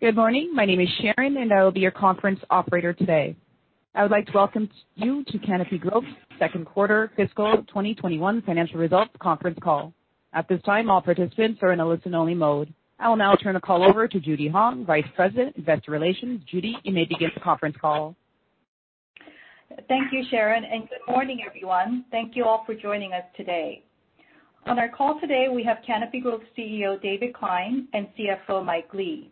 Good morning. My name is Sharon, and I will be your conference operator today. I would like to welcome you to Canopy Growth's Second Quarter Fiscal 2021 Financial Results Conference Call. At this time, all participants are in a listen-only mode. I will now turn the call over to Judy Hong, Vice President, Investor Relations. Judy, you may begin the conference call. Thank you, Sharon, and good morning, everyone. Thank you all for joining us today. On our call today, we have Canopy Growth CEO, David Klein, and CFO, Mike Lee.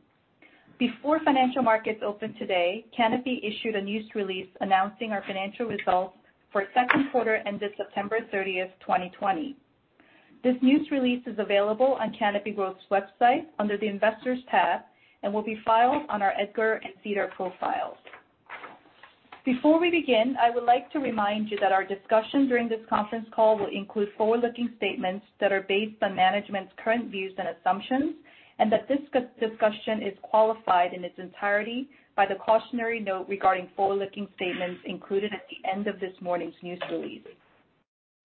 Before financial markets opened today, Canopy issued a news release announcing our financial results for second quarter ended September 30th, 2020. This news release is available on Canopy Growth's website under the Investors tab and will be filed on our EDGAR and SEDAR profiles. Before we begin, I would like to remind you that our discussion during this conference call will include forward-looking statements that are based on management's current views and assumptions, and that this discussion is qualified in its entirety by the cautionary note regarding forward-looking statements included at the end of this morning's news release.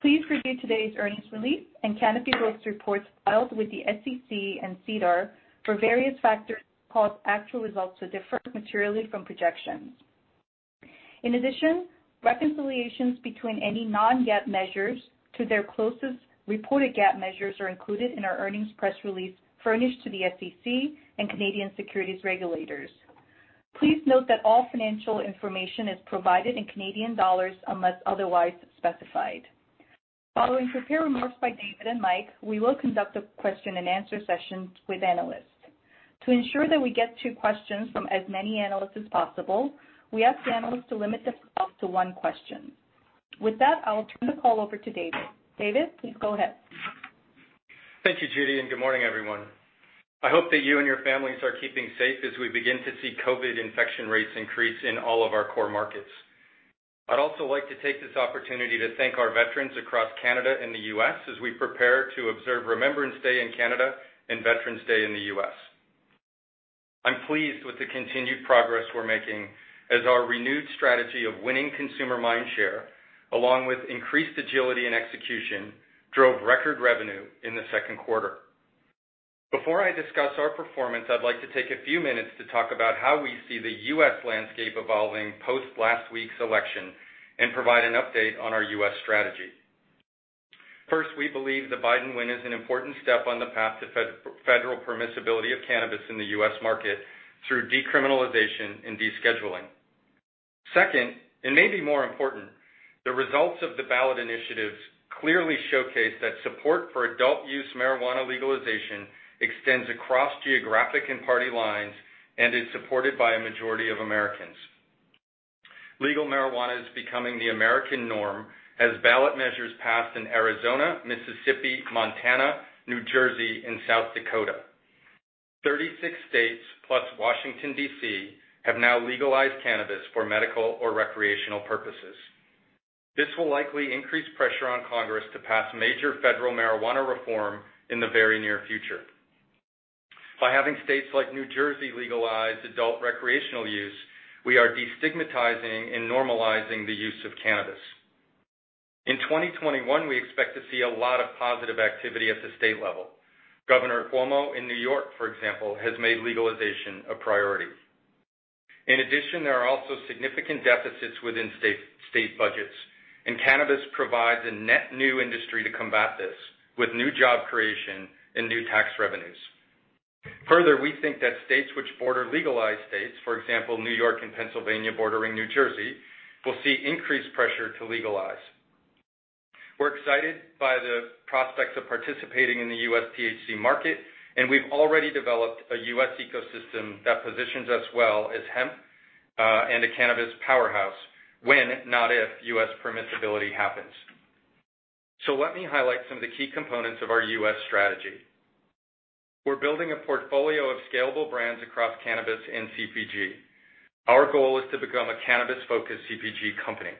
Please review today's earnings release and Canopy Growth's reports filed with the SEC and SEDAR for various factors that cause actual results to differ materially from projections. In addition, reconciliations between any non-GAAP measures to their closest reported GAAP measures are included in our earnings press release furnished to the SEC and Canadian securities regulators. Please note that all financial information is provided in Canadian dollars unless otherwise specified. Following prepared remarks by David and Mike, we will conduct a question and answer session with analysts. To ensure that we get to questions from as many analysts as possible, we ask analysts to limit themselves to one question. With that, I will turn the call over to David. David, please go ahead. Thank you, Judy, and good morning, everyone. I hope that you and your families are keeping safe as we begin to see COVID infection rates increase in all of our core markets. I'd also like to take this opportunity to thank our veterans across Canada and the U.S. as we prepare to observe Remembrance Day in Canada and Veterans Day in the U.S. I'm pleased with the continued progress we're making as our renewed strategy of winning consumer mind share, along with increased agility and execution, drove record revenue in the second quarter. Before I discuss our performance, I'd like to take a few minutes to talk about how we see the U.S. landscape evolving post last week's election and provide an update on our U.S. strategy. First, we believe the Biden win is an important step on the path to federal permissibility of cannabis in the U.S. market through decriminalization and descheduling. Second, and maybe more important, the results of the ballot initiatives clearly showcase that support for adult use marijuana legalization extends across geographic and party lines and is supported by a majority of Americans. Legal marijuana is becoming the American norm as ballot measures passed in Arizona, Mississippi, Montana, New Jersey, and South Dakota. 36 states plus Washington, D.C., have now legalized cannabis for medical or recreational purposes. This will likely increase pressure on Congress to pass major federal marijuana reform in the very near future. By having states like New Jersey legalize adult recreational use, we are destigmatizing and normalizing the use of cannabis. In 2021, we expect to see a lot of positive activity at the state level. Governor Cuomo in New York, for example, has made legalization a priority. In addition, there are also significant deficits within state budgets, and cannabis provides a net new industry to combat this with new job creation and new tax revenues. Further, we think that states which border legalized states, for example, New York and Pennsylvania bordering New Jersey, will see increased pressure to legalize. We're excited by the prospects of participating in the U.S. THC market, and we've already developed a U.S. ecosystem that positions us well as hemp, and a cannabis powerhouse when, not if, U.S. permissibility happens. Let me highlight some of the key components of our U.S. strategy. We're building a portfolio of scalable brands across cannabis and CPG. Our goal is to become a cannabis-focused CPG company.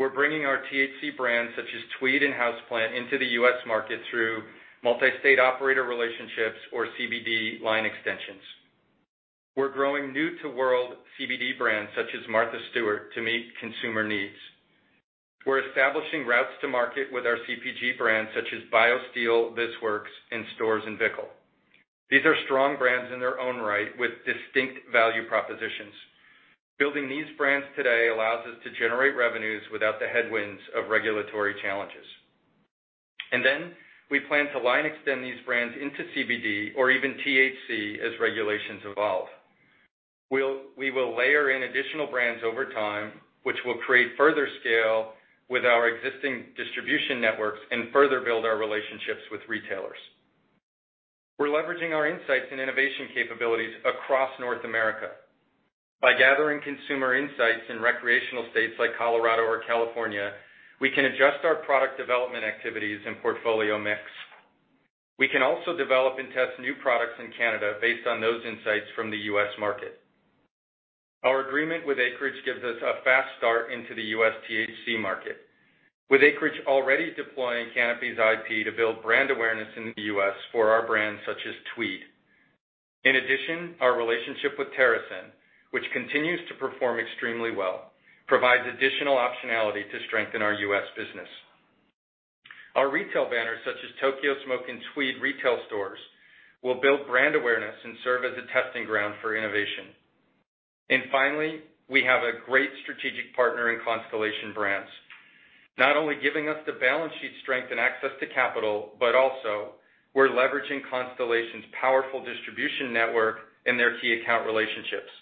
We're bringing our THC brands such as Tweed and Houseplant into the U.S. market through multi-state operator relationships or CBD line extensions. We're growing new-to-world CBD brands such as Martha Stewart to meet consumer needs. We're establishing routes to market with our CPG brands such as BioSteel, This Works and Storz & Bickel. These are strong brands in their own right with distinct value propositions. Building these brands today allows us to generate revenues without the headwinds of regulatory challenges. We plan to line extend these brands into CBD or even THC as regulations evolve. We will layer in additional brands over time, which will create further scale with our existing distribution networks and further build our relationships with retailers. We're leveraging our insights and innovation capabilities across North America. By gathering consumer insights in recreational states like Colorado or California, we can adjust our product development activities and portfolio mix. We can also develop and test new products in Canada based on those insights from the U.S. market. Our agreement with Acreage gives us a fast start into the U.S. THC market, with Acreage already deploying Canopy's IP to build brand awareness in the U.S. for our brands such as Tweed. In addition, our relationship with TerrAscend, which continues to perform extremely well, provides additional optionality to strengthen our U.S. business. Our retail banners such as Tokyo Smoke and Tweed Retail stores will build brand awareness and serve as a testing ground for innovation. Finally, we have a great strategic partner in Constellation Brands, not only giving us the balance sheet strength and access to capital, but also we're leveraging Constellation's powerful distribution network and their key account relationships.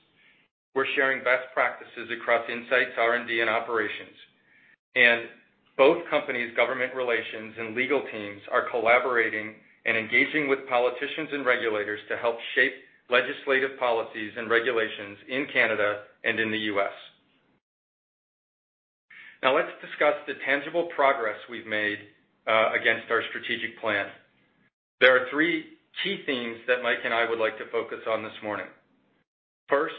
We're sharing best practices across insights, R&D, and operations. Both companies' government relations and legal teams are collaborating and engaging with politicians and regulators to help shape legislative policies and regulations in Canada and in the U.S. Now let's discuss the tangible progress we've made against our strategic plan. There are three key themes that Mike and I would like to focus on this morning. First,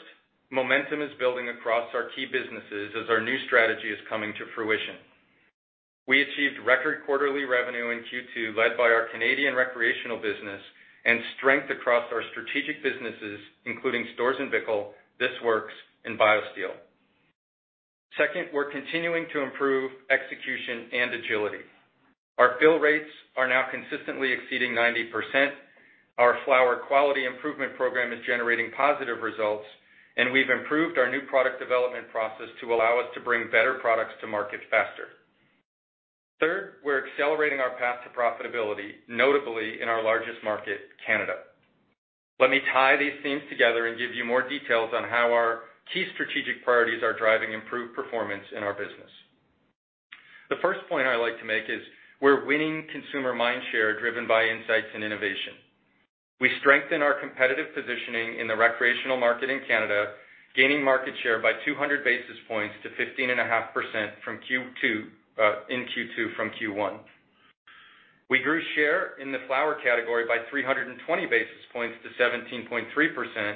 momentum is building across our key businesses as our new strategy is coming to fruition. We achieved record quarterly revenue in Q2, led by our Canadian recreational business and strength across our strategic businesses, including Storz & Bickel, This Works, and BioSteel. Second, we're continuing to improve execution and agility. Our fill rates are now consistently exceeding 90%. Our flower quality improvement program is generating positive results, and we've improved our new product development process to allow us to bring better products to market faster. Third, we're accelerating our path to profitability, notably in our largest market, Canada. Let me tie these themes together and give you more details on how our key strategic priorities are driving improved performance in our business. The first point I like to make is we're winning consumer mind share driven by insights and innovation. We strengthen our competitive positioning in the recreational market in Canada, gaining market share by 200 basis points to 15.5% in Q2 from Q1. We grew share in the flower category by 320 basis points to 17.3%,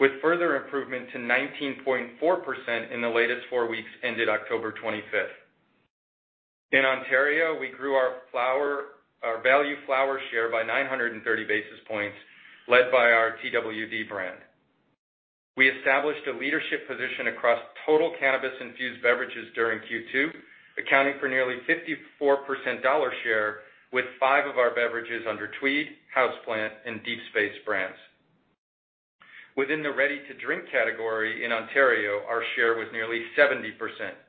with further improvement to 19.4% in the latest four weeks ended October 25th. In Ontario, we grew our value flower share by 930 basis points, led by our Twd. brand. We established a leadership position across total cannabis-infused beverages during Q2, accounting for nearly 54% dollar share with five of our beverages under Tweed, Houseplant, and Deep Space brands. Within the ready-to-drink category in Ontario, our share was nearly 70%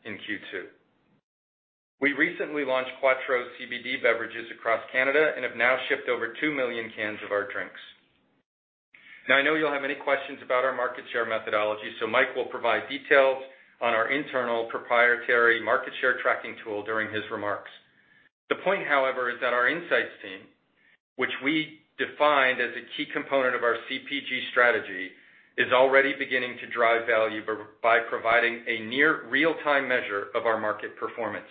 in Q2. We recently launched Quatreau CBD beverages across Canada and have now shipped over 2 million cans of our drinks. I know you'll have many questions about our market share methodology, so Mike will provide details on our internal proprietary market share tracking tool during his remarks. The point, however, is that our insights team, which we defined as a key component of our CPG strategy, is already beginning to drive value by providing a near real-time measure of our market performance.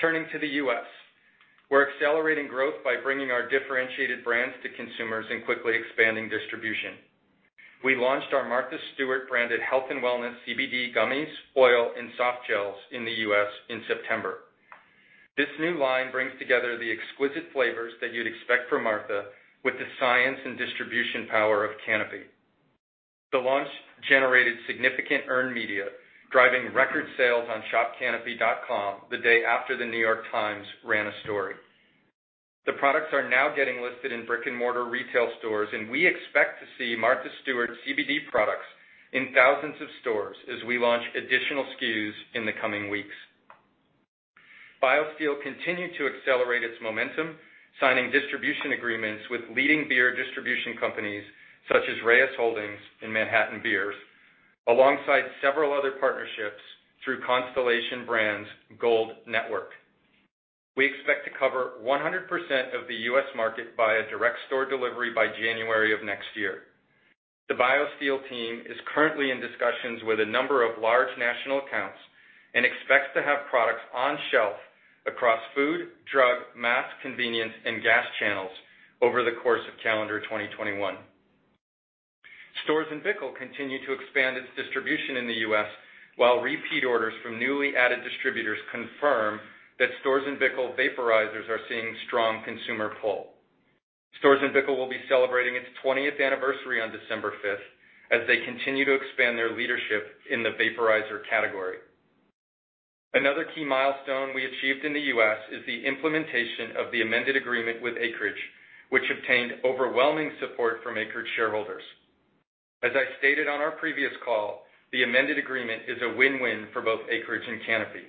Turning to the U.S., we're accelerating growth by bringing our differentiated brands to consumers and quickly expanding distribution. We launched our Martha Stewart branded health and wellness CBD gummies, oil, and soft gels in the U.S. in September. This new line brings together the exquisite flavors that you'd expect from Martha with the science and distribution power of Canopy. The launch generated significant earned media, driving record sales on shopcanopy.com the day after The New York Times ran a story. The products are now getting listed in brick-and-mortar retail stores, and we expect to see Martha Stewart CBD products in thousands of stores as we launch additional SKUs in the coming weeks. BioSteel continued to accelerate its momentum, signing distribution agreements with leading beer distribution companies such as Reyes Holdings and Manhattan Beers, alongside several other partnerships through Constellation Brands' Gold Network. We expect to cover 100% of the U.S. market via direct store delivery by January of next year. The BioSteel team is currently in discussions with a number of large national accounts and expects to have products on shelf across food, drug, mass convenience, and gas channels over the course of calendar 2021. Storz & Bickel continue to expand its distribution in the U.S. while repeat orders from newly added distributors confirm that Storz & Bickel vaporizers are seeing strong consumer pull. Storz & Bickel will be celebrating its 20th anniversary on December 5th as they continue to expand their leadership in the vaporizer category. Another key milestone we achieved in the U.S. is the implementation of the amended agreement with Acreage, which obtained overwhelming support from Acreage shareholders. As I stated on our previous call, the amended agreement is a win-win for both Acreage and Canopy.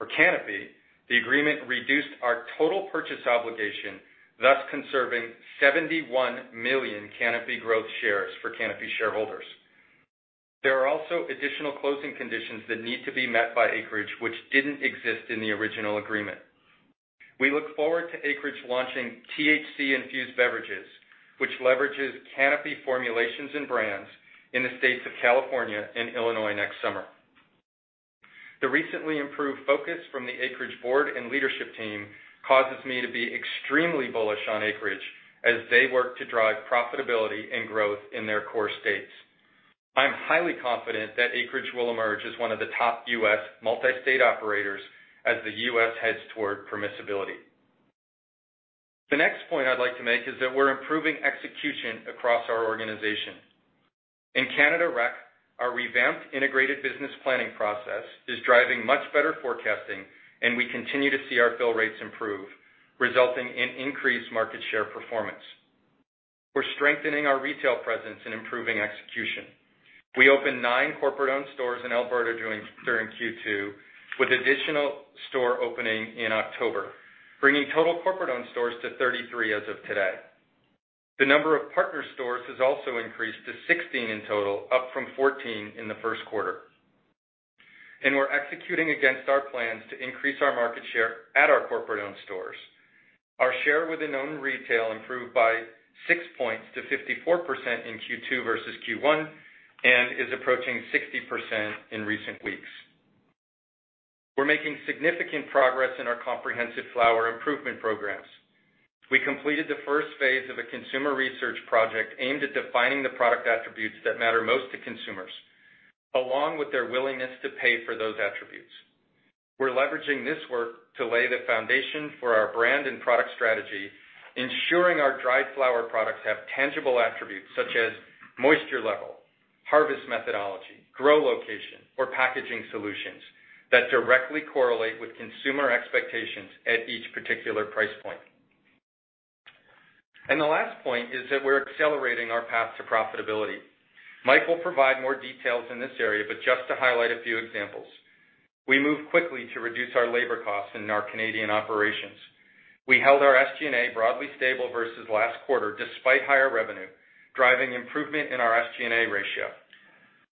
For Canopy, the agreement reduced our total purchase obligation, thus conserving 71 million Canopy Growth shares for Canopy shareholders. There are also additional closing conditions that need to be met by Acreage, which didn't exist in the original agreement. We look forward to Acreage launching THC infused beverages, which leverages Canopy formulations and brands in the states of California and Illinois next summer. The recently improved focus from the Acreage board and leadership team causes me to be extremely bullish on Acreage as they work to drive profitability and growth in their core states. I'm highly confident that Acreage will emerge as one of the top U.S. multi-state operators as the U.S. heads toward permissibility. The next point I'd like to make is that we're improving execution across our organization. In Canada rec, our revamped integrated business planning process is driving much better forecasting, and we continue to see our fill rates improve, resulting in increased market share performance. We're strengthening our retail presence and improving execution. We opened nine corporate-owned stores in Alberta during Q2, with additional store opening in October, bringing total corporate-owned stores to 33 as of today. The number of partner stores has also increased to 16 in total, up from 14 in the first quarter. We're executing against our plans to increase our market share at our corporate-owned stores. Our share within owned retail improved by six points to 54% in Q2 versus Q1, and is approaching 60% in recent weeks. We're making significant progress in our comprehensive flower improvement programs. We completed the first phase of a consumer research project aimed at defining the product attributes that matter most to consumers, along with their willingness to pay for those attributes. We're leveraging this work to lay the foundation for our brand and product strategy, ensuring our dried flower products have tangible attributes such as moisture level, harvest methodology, grow location, or packaging solutions that directly correlate with consumer expectations at each particular price point. The last point is that we're accelerating our path to profitability. Mike will provide more details in this area, but just to highlight a few examples. We moved quickly to reduce our labor costs in our Canadian operations. We held our SG&A broadly stable versus last quarter, despite higher revenue, driving improvement in our SG&A ratio.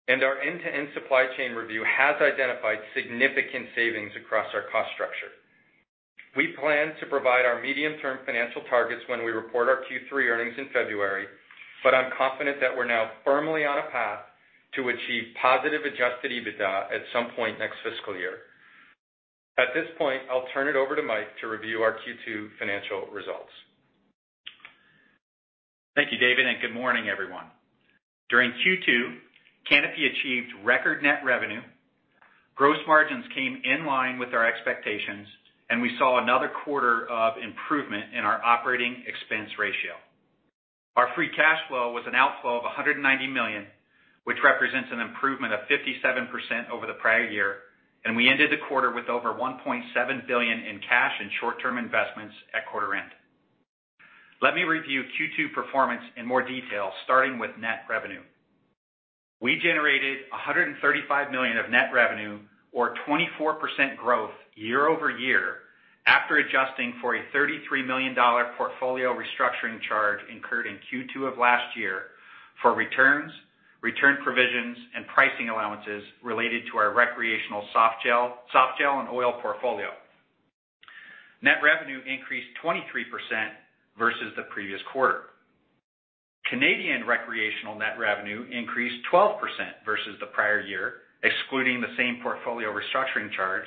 Our end-to-end supply chain review has identified significant savings across our cost structure. We plan to provide our medium-term financial targets when we report our Q3 earnings in February, but I'm confident that we're now firmly on a path to achieve positive adjusted EBITDA at some point next fiscal year. At this point, I'll turn it over to Mike to review our Q2 financial results. Thank you, David, and good morning, everyone. During Q2, Canopy achieved record net revenue. Gross margins came in line with our expectations, and we saw another quarter of improvement in our operating expense ratio. Our free cash flow was an outflow of 190 million, which represents an improvement of 57% over the prior year, and we ended the quarter with over 1.7 billion in cash and short-term investments at quarter end. Let me review Q2 performance in more detail, starting with net revenue. We generated 135 million of net revenue or 24% growth year-over-year, after adjusting for a 33 million dollar portfolio restructuring charge incurred in Q2 of last year for returns, return provisions, and pricing allowances related to our recreational softgel and oil portfolio. Net revenue increased 23% versus the previous quarter. Canadian recreational net revenue increased 12% versus the prior year, excluding the same portfolio restructuring charge,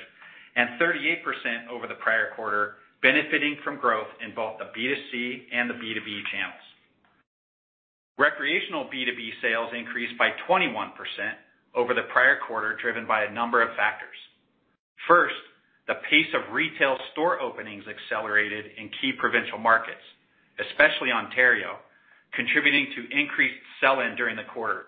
and 38% over the prior quarter, benefiting from growth in both the B2C and the B2B channels. Recreational B2B sales increased by 21% over the prior quarter, driven by a number of factors. First, the pace of retail store openings accelerated in key provincial markets, especially Ontario, contributing to increased sell-in during the quarter.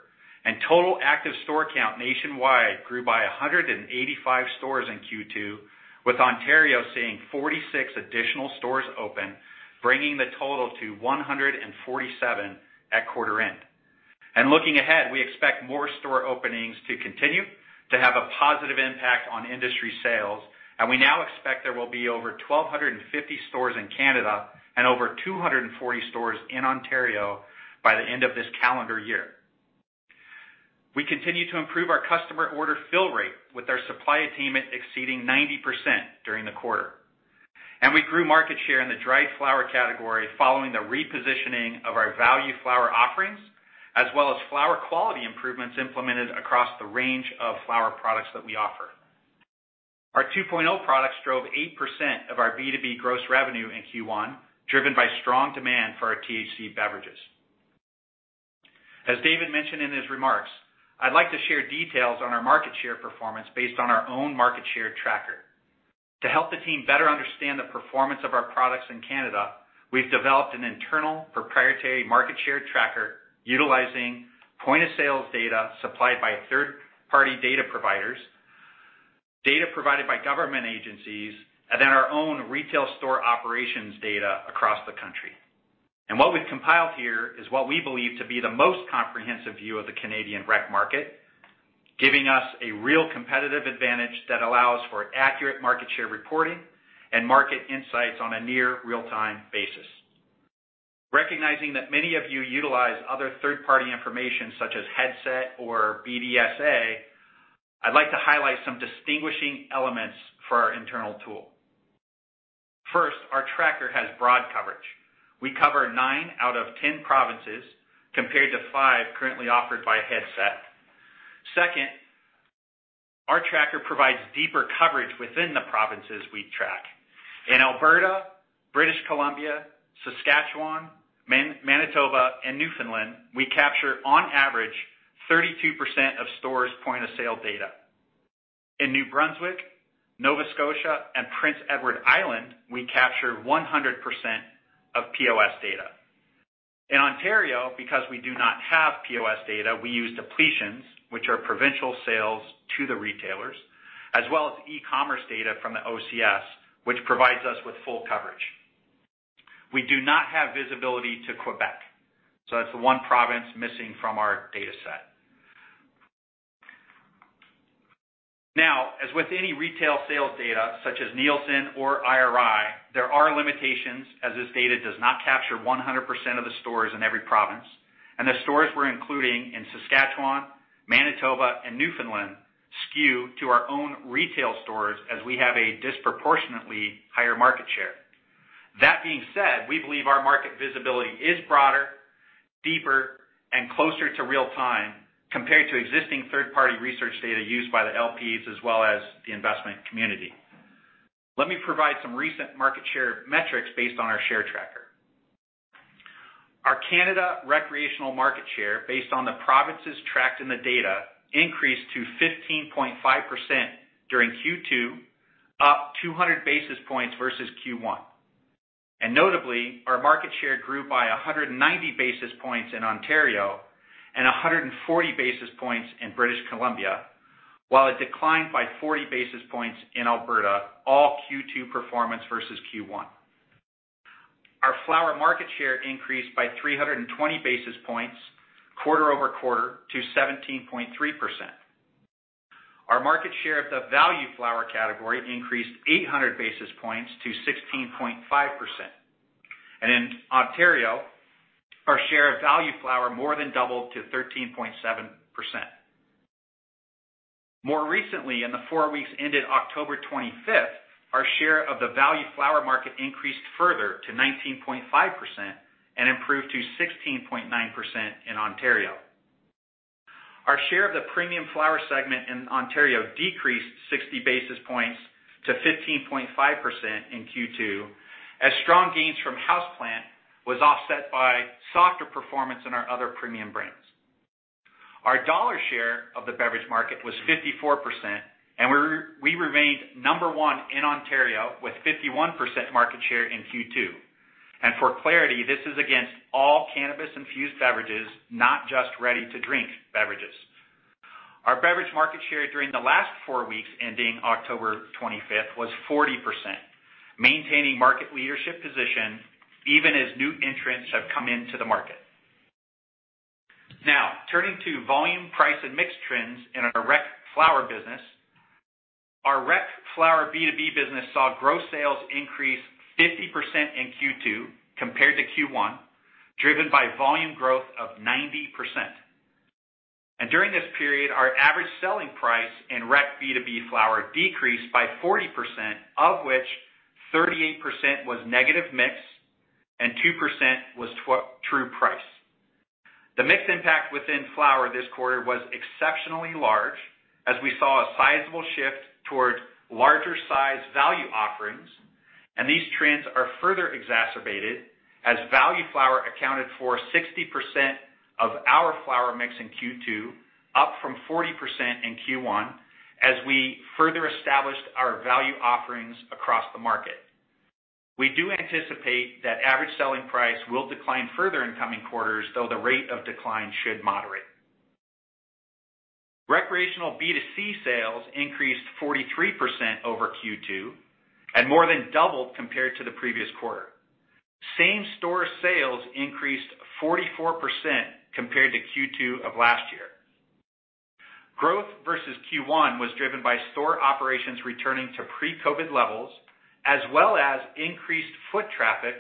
Total active store count nationwide grew by 185 stores in Q2, with Ontario seeing 46 additional stores open, bringing the total to 147 at quarter end. Looking ahead, we expect more store openings to continue to have a positive impact on industry sales, and we now expect there will be over 1,250 stores in Canada and over 240 stores in Ontario by the end of this calendar year. We continue to improve our customer order fill rate with our supply attainment exceeding 90% during the quarter. We grew market share in the dried flower category following the repositioning of our value flower offerings, as well as flower quality improvements implemented across the range of flower products that we offer. Our 2.0 products drove 8% of our B2B gross revenue in Q1, driven by strong demand for our THC beverages. As David mentioned in his remarks, I'd like to share details on our market share performance based on our own market share tracker. To help the team better understand the performance of our products in Canada, we've developed an internal proprietary market share tracker utilizing point-of-sale data supplied by third-party data providers, data provided by government agencies, and then our own retail store operations data across the country. What we've compiled here is what we believe to be the most comprehensive view of the Canadian rec market, giving us a real competitive advantage that allows for accurate market share reporting and market insights on a near real-time basis. Recognizing that many of you utilize other third-party information such as Headset or BDSA, I'd like to highlight some distinguishing elements for our internal tool. First, our tracker has broad coverage. We cover nine out of 10 provinces, compared to five currently offered by Headset. Second, our tracker provides deeper coverage within the provinces we track. In Alberta, British Columbia, Saskatchewan, Manitoba, and Newfoundland, we capture on average 32% of stores' point-of-sale data. In New Brunswick, Nova Scotia, and Prince Edward Island, we capture 100% of POS data. In Ontario, because we do not have POS data, we use depletions, which are provincial sales to the retailers, as well as e-commerce data from the OCS, which provides us with full coverage. That's the one province missing from our data set. Now, as with any retail sales data such as Nielsen or IRI, there are limitations as this data does not capture 100% of the stores in every province, and the stores we're including in Saskatchewan, Manitoba, and Newfoundland skew to our own retail stores as we have a disproportionately higher market share. That being said, we believe our market visibility is broader, deeper, and closer to real-time compared to existing third-party research data used by the LPs as well as the investment community. Let me provide some recent market share metrics based on our share tracker. Our Canada recreational market share, based on the provinces tracked in the data, increased to 15.5% during Q2, up 200 basis points versus Q1. Notably, our market share grew by 190 basis points in Ontario and 140 basis points in British Columbia, while it declined by 40 basis points in Alberta, all Q2 performance versus Q1. Our flower market share increased by 320 basis points quarter-over-quarter to 17.3%. Our market share of the value flower category increased 800 basis points to 16.5%. In Ontario, our share of value flower more than doubled to 13.7%. More recently, in the four weeks ended October 25th, our share of the value flower market increased further to 19.5% and improved to 16.9% in Ontario. Our share of the premium flower segment in Ontario decreased 60 basis points to 15.5% in Q2 as strong gains from Houseplant was offset by softer performance in our other premium brands. Our dollar share of the beverage market was 54%, and we remained number one in Ontario with 51% market share in Q2. For clarity, this is against all cannabis-infused beverages, not just ready-to-drink beverages. Our beverage market share during the last four weeks ending October 25th was 40%, maintaining market leadership position even as new entrants have come into the market. Now, turning to volume, price, and mix trends in our rec flower business. Our rec flower B2B business saw gross sales increase 50% in Q2 compared to Q1, driven by volume growth of 90%. During this period, our average selling price in rec B2B flower decreased by 40%, of which 38% was negative mix and 2% was true price. The mix impact within flower this quarter was exceptionally large as we saw a sizable shift toward larger size value offerings. These trends are further exacerbated as value flower accounted for 60% of our flower mix in Q2, up from 40% in Q1 as we further established our value offerings across the market. We do anticipate that average selling price will decline further in coming quarters, though the rate of decline should moderate. Recreational B2C sales increased 43% over Q2 and more than doubled compared to the previous quarter. Same store sales increased 44% compared to Q2 of last year. Growth versus Q1 was driven by store operations returning to pre-COVID levels as well as increased foot traffic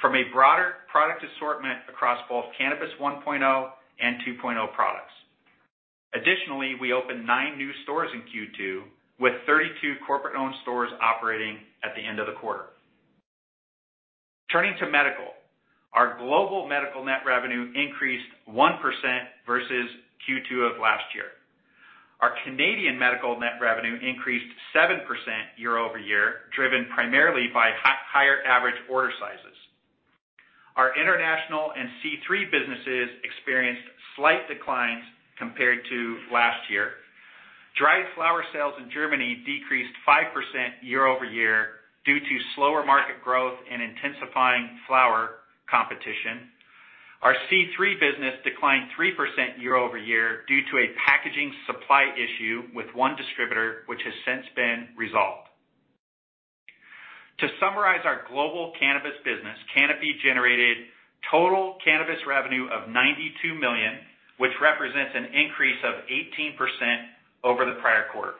from a broader product assortment across both Cannabis 1.0 and 2.0 products. Additionally, we opened nine new stores in Q2 with 32 corporate-owned stores operating at the end of the quarter. Turning to medical. Our global medical net revenue increased 1% versus Q2 of last year. Our Canadian medical net revenue increased 7% year-over-year, driven primarily by higher average order sizes. Our international and C³ businesses experienced slight declines compared to last year. Dried flower sales in Germany decreased 5% year-over-year due to slower market growth and intensifying flower competition. Our C³ business declined 3% year-over-year due to a packaging supply issue with one distributor, which has since been resolved. To summarize our global cannabis business, Canopy generated total cannabis revenue of 92 million, which represents an increase of 18% over the prior quarter.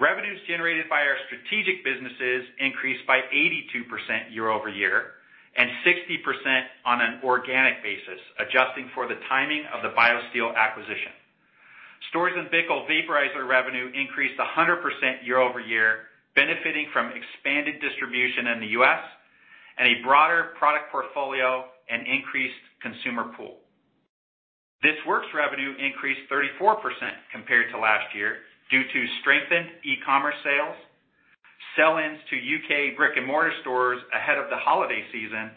Revenues generated by our strategic businesses increased by 82% year-over-year and 60% on an organic basis, adjusting for the timing of the BioSteel acquisition. Storz & Bickel vaporizer revenue increased 100% year-over-year, benefiting from expanded distribution in the U.S. and a broader product portfolio and increased consumer pool. This Works revenue increased 34% compared to last year due to strengthened e-commerce sales, sell-ins to U.K. brick-and-mortar stores ahead of the holiday season,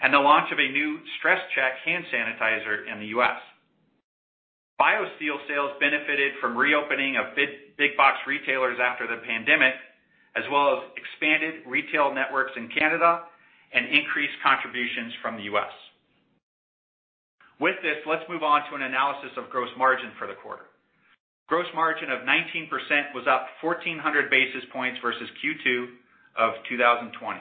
and the launch of a new Stress Check hand sanitizer in the U.S. BioSteel sales benefited from reopening of big box retailers after the pandemic, as well as expanded retail networks in Canada and increased contributions from the U.S. With this, let's move on to an analysis of gross margin for the quarter. Gross margin of 19% was up 1,400 basis points versus Q2 of 2020.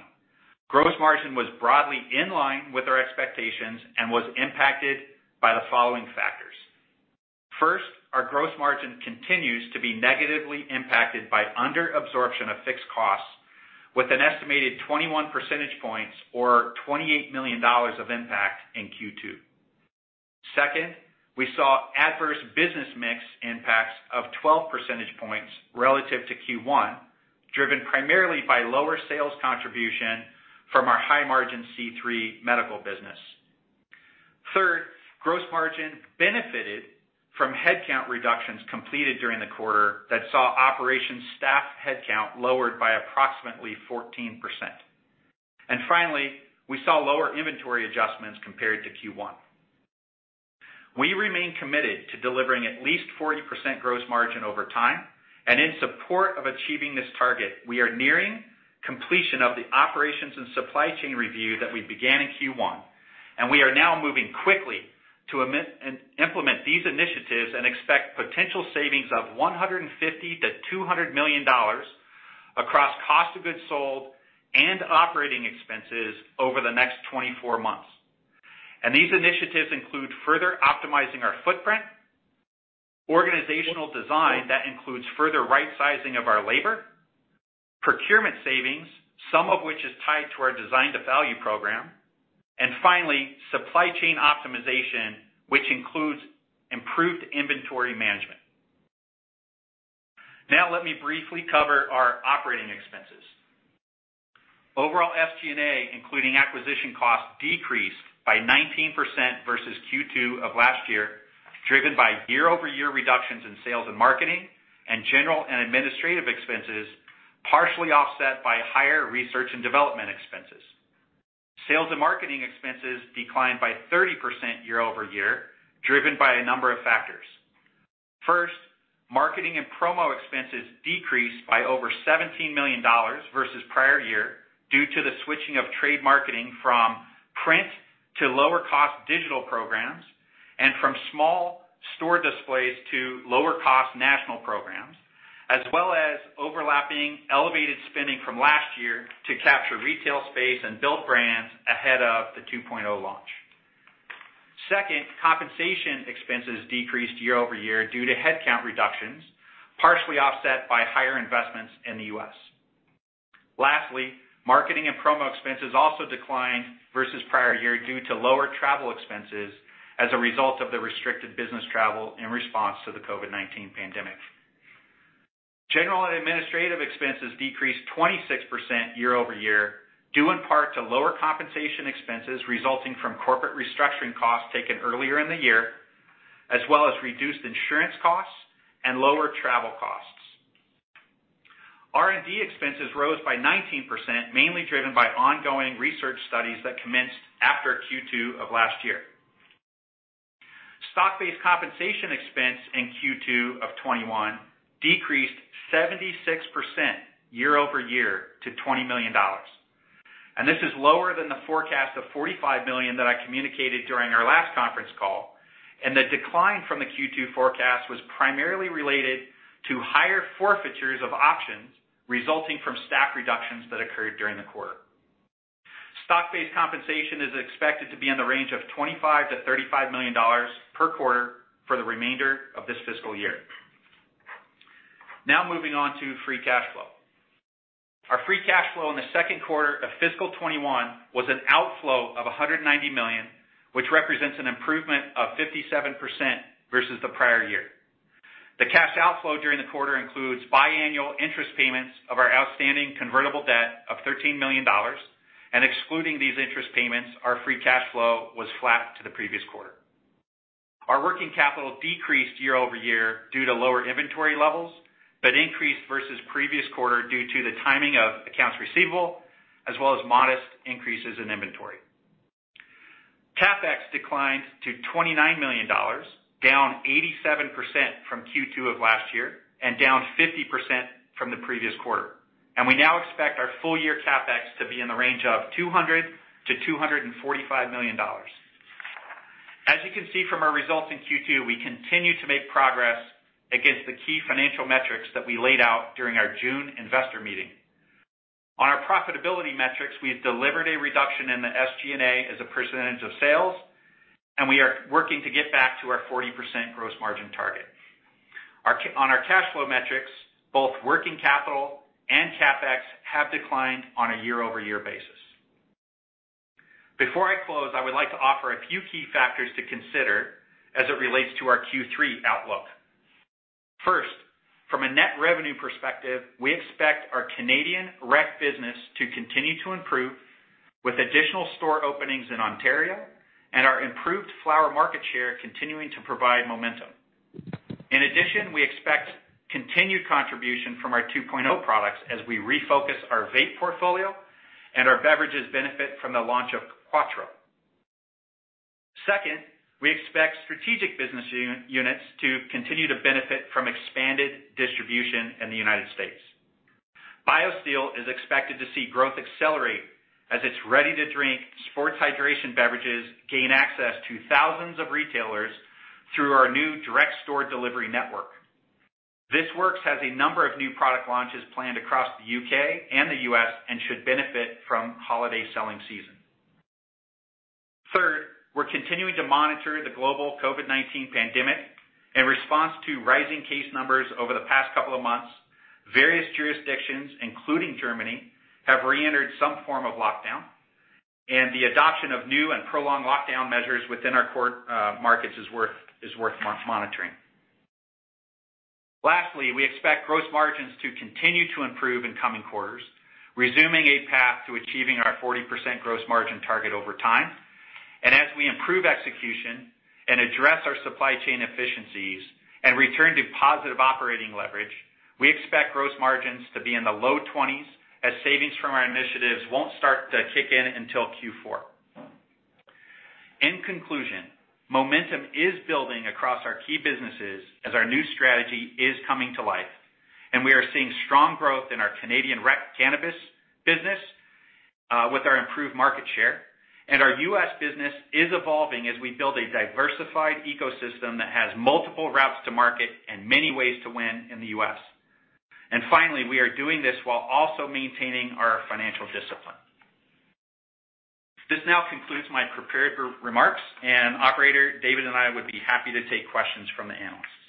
Gross margin was broadly in line with our expectations and was impacted by the following factors. First, our gross margin continues to be negatively impacted by under-absorption of fixed costs with an estimated 21 percentage points or 28 million dollars of impact in Q2. Second, we saw adverse business mix impacts of 12 percentage points relative to Q1, driven primarily by lower sales contribution from our high-margin C³ Medical business. Third, gross margin benefited from headcount reductions completed during the quarter that saw operations staff headcount lowered by approximately 14%. Finally, we saw lower inventory adjustments compared to Q1. We remain committed to delivering at least 40% gross margin over time. In support of achieving this target, we are nearing completion of the operations and supply chain review that we began in Q1. We are now moving quickly to implement these initiatives and expect potential savings of 150 million to 200 million dollars across cost of goods sold and operating expenses over the next 24 months. These initiatives include further optimizing our footprint, organizational design that includes further right-sizing of our labor, procurement savings, some of which is tied to our Design to Value Program, and finally, supply chain optimization, which includes improved inventory management. Now, let me briefly cover our operating expenses. Overall SG&A, including acquisition costs, decreased by 19% versus Q2 of last year, driven by year-over-year reductions in sales and marketing and general and administrative expenses, partially offset by higher research and development expenses. Sales and marketing expenses declined by 30% year-over-year, driven by a number of factors. First, marketing and promo expenses decreased by over 17 million dollars versus prior year due to the switching of trade marketing from print to lower cost digital programs, and from small store displays to lower cost national programs, as well as overlapping elevated spending from last year to capture retail space and build brands ahead of the 2.0 launch. Second, compensation expenses decreased year-over-year due to headcount reductions, partially offset by higher investments in the U.S. Lastly, marketing and promo expenses also declined versus prior year due to lower travel expenses as a result of the restricted business travel in response to the COVID-19 pandemic. General and administrative expenses decreased 26% year-over-year, due in part to lower compensation expenses resulting from corporate restructuring costs taken earlier in the year, as well as reduced insurance costs and lower travel costs. R&D expenses rose by 19%, mainly driven by ongoing research studies that commenced after Q2 of last year. Stock-based compensation expense in Q2 of 2021 decreased 76% year-over-year to 20 million dollars. This is lower than the forecast of 45 million that I communicated during our last conference call, and the decline from the Q2 forecast was primarily related to higher forfeitures of options resulting from staff reductions that occurred during the quarter. Stock-based compensation is expected to be in the range of 25 million-35 million dollars per quarter for the remainder of this fiscal year. Now moving on to free cash flow. Our free cash flow in the second quarter of fiscal 2021 was an outflow of 190 million, which represents an improvement of 57% versus the prior year. The cash outflow during the quarter includes biannual interest payments of our outstanding convertible debt of 13 million dollars, and excluding these interest payments, our free cash flow was flat to the previous quarter. Our working capital decreased year-over-year due to lower inventory levels, but increased versus the previous quarter due to the timing of accounts receivable, as well as modest increases in inventory. CapEx declined to 29 million dollars, down 87% from Q2 of last year and down 50% from the previous quarter. We now expect our full-year CapEx to be in the range of 200 million-245 million dollars. As you can see from our results in Q2, we continue to make progress against the key financial metrics that we laid out during our June investor meeting. On our profitability metrics, we have delivered a reduction in the SG&A as a percentage of sales, and we are working to get back to our 40% gross margin target. On our cash flow metrics, both working capital and CapEx have declined on a year-over-year basis. Before I close, I would like to offer a few key factors to consider as it relates to our Q3 outlook. From a net revenue perspective, we expect our Canadian rec business to continue to improve with additional store openings in Ontario and our improved flower market share continuing to provide momentum. We expect continued contribution from our 2.0 products as we refocus our vape portfolio and our beverages benefit from the launch of Quatreau. We expect strategic business units to continue to benefit from expanded distribution in the U.S. BioSteel is expected to see growth accelerate as its ready-to-drink sports hydration beverages gain access to thousands of retailers through our new direct store delivery network. This Works has a number of new product launches planned across the U.K. and the U.S., and should benefit from holiday selling season. We're continuing to monitor the global COVID-19 pandemic. In response to rising case numbers over the past couple of months, various jurisdictions, including Germany, have reentered some form of lockdown, and the adoption of new and prolonged lockdown measures within our core markets is worth monitoring. Lastly, we expect gross margins to continue to improve in coming quarters, resuming a path to achieving our 40% gross margin target over time. As we improve execution and address our supply chain efficiencies and return to positive operating leverage, we expect gross margins to be in the low 20s as savings from our initiatives won't start to kick in until Q4. In conclusion, momentum is building across our key businesses as our new strategy is coming to life, and we are seeing strong growth in our Canadian rec cannabis business with our improved market share. Our U.S. business is evolving as we build a diversified ecosystem that has multiple routes to market and many ways to win in the U.S. Finally, we are doing this while also maintaining our financial discipline. This now concludes my prepared remarks, and operator, David and I would be happy to take questions from the analysts.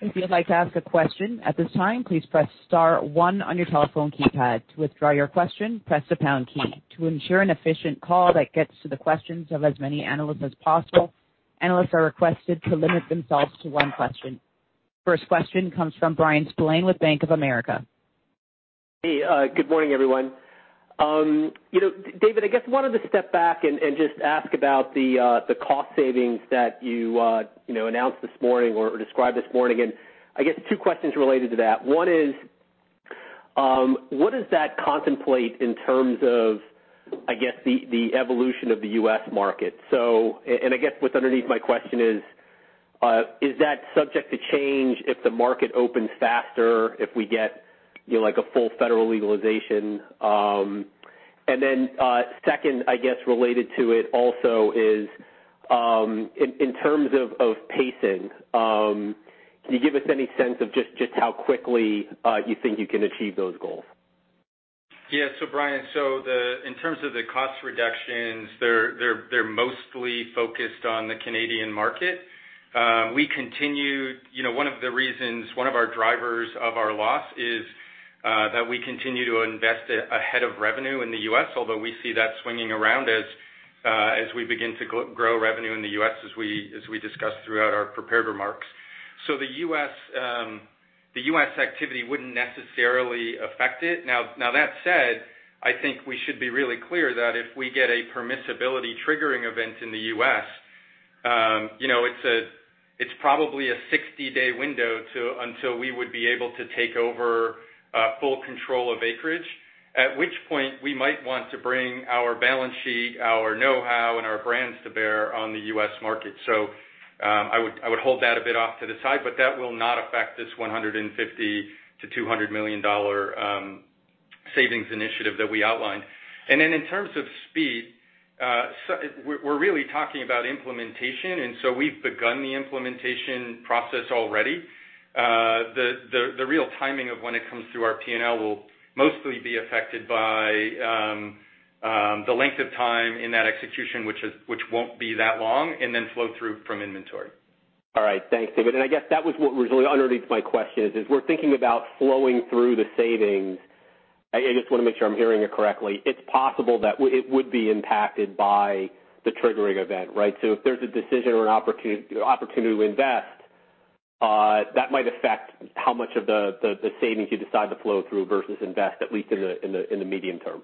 If you'd like to ask a question at this time, please press star one on your telephone keypad. To withdraw your question, press the pound key. To ensure an efficient call that gets to the questions of as many analysts as possible, analysts are requested to limit themselves to one question. First question comes from Bryan Spillane with Bank of America. Hey, good morning, everyone. David, I guess wanted to step back and just ask about the cost savings that you announced this morning or described this morning. I guess two questions related to that. One is what does that contemplate in terms of, I guess, the evolution of the U.S. market? I guess what's underneath my question is is that subject to change if the market opens faster, if we get a full federal legalization? Second, I guess related to it also is, in terms of pacing, can you give us any sense of just how quickly you think you can achieve those goals? Yeah. Bryan, in terms of the cost reductions, they're mostly focused on the Canadian market. One of our drivers of our loss is that we continue to invest ahead of revenue in the U.S. although we see that swinging around as we begin to grow revenue in the U.S., as we discussed throughout our prepared remarks. The U.S. activity wouldn't necessarily affect it. Now, that said, I think we should be really clear that if we get a permissibility triggering event in the U.S., it's probably a 60-day window until we would be able to take over full control of Acreage. At which point, we might want to bring our balance sheet, our know-how, and our brands to bear on the U.S. market. I would hold that a bit off to the side, but that will not affect this 150 million-200 million dollar savings initiative that we outlined. In terms of speed, we're really talking about implementation, we've begun the implementation process already. The real timing of when it comes through our P&L will mostly be affected by the length of time in that execution, which won't be that long, and then flow through from inventory. Thanks, David. I guess that was what was really underneath my question is, as we're thinking about flowing through the savings, I just want to make sure I'm hearing it correctly. It's possible that it would be impacted by the triggering event, right? If there's a decision or an opportunity to invest, that might affect how much of the savings you decide to flow through versus invest, at least in the medium term.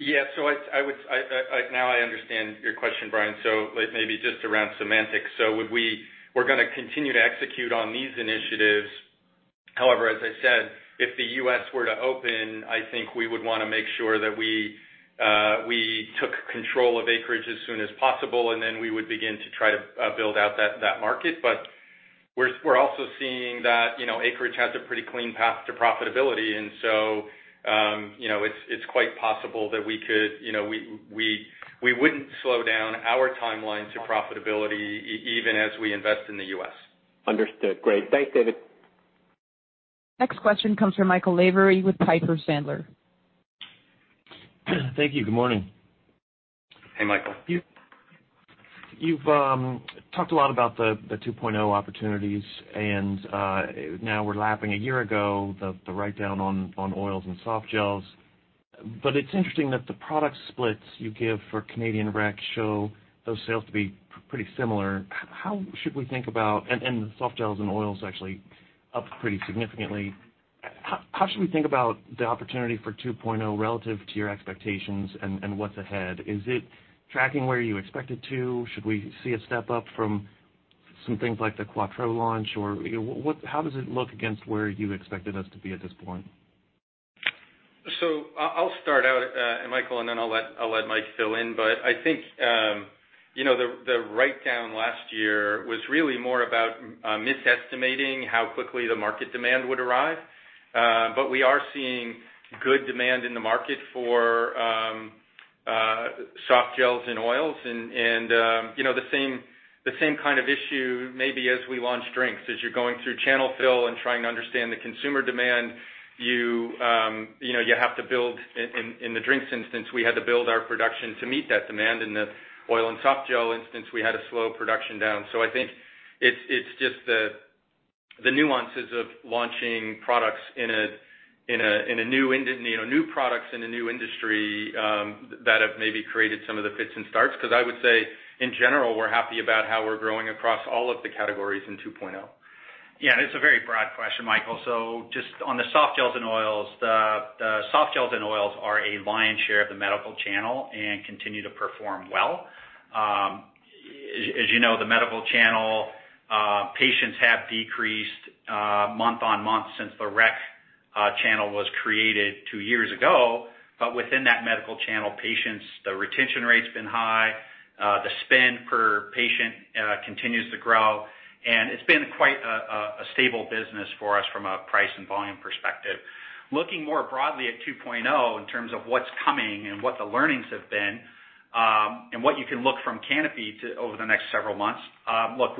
Now I understand your question, Bryan, it may be just around semantics. We're going to continue to execute on these initiatives. However, as I said, if the U.S. were to open, I think we would want to make sure that we took control of Acreage as soon as possible, we would begin to try to build out that market. We're also seeing that Acreage has a pretty clean path to profitability, it's quite possible that we wouldn't slow down our timeline to profitability even as we invest in the U.S. Understood. Great. Thanks, David. Next question comes from Michael Lavery with Piper Sandler. Thank you. Good morning. Hey, Michael. You've talked a lot about the Cannabis 2.0 opportunities. Now we're lapping a year ago, the write-down on oils and softgels. It's interesting that the product splits you give for Canadian rec show those sales to be pretty similar. How should we think about the softgels and oils actually up pretty significantly? How should we think about the opportunity for 2.0 relative to your expectations and what's ahead? Is it tracking where you expect it to? Should we see a step up from some things like the Quatreau launch, or how does it look against where you expected us to be at this point? I'll start out, Michael, and then I'll let Mike fill in. I think the write-down last year was really more about misestimating how quickly the market demand would arrive. We are seeing good demand in the market for soft gels and oils and the same kind of issue, maybe as we launch drinks, as you're going through channel fill and trying to understand the consumer demand, in the drinks instance, we had to build our production to meet that demand. In the oil and soft gel instance, we had to slow production down. I think it's just the nuances of launching new products in a new industry, that have maybe created some of the fits and starts. I would say, in general, we're happy about how we're growing across all of the categories in Cannabis 2.0. Yeah, it's a very broad question, Michael. Just on the soft gels and oils, the soft gels and oils are a lion's share of the medical channel and continue to perform well. As you know, the medical channel, patients have decreased month-on-month since the rec channel was created two years ago. Within that medical channel, patients, the retention rate's been high. The spend per patient continues to grow, it's been quite a stable business for us from a price and volume perspective. Looking more broadly at 2.0 in terms of what's coming and what the learnings have been, what you can look from Canopy over the next several months. Look,